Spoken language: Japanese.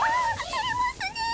てれますねえ。